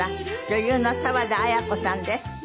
女優の沢田亜矢子さんです。